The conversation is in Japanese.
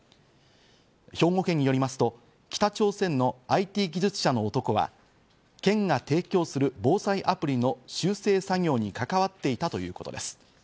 兵庫県によりますと、北朝鮮のＩＴ技術者の男は県が提供する防災アプリの修正作業に関わっていたということです。